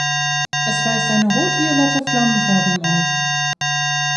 Es weist eine rotviolette Flammenfärbung auf.